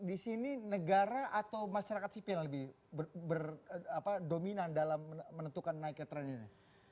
disini negara atau masyarakat sipil lebih ber dominan dalam menentukan naiknya trend ini